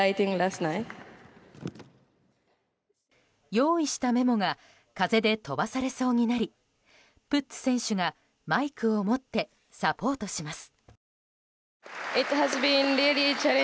用意したメモが風で飛ばされそうになりプッツ選手がマイクを持ってサポートします。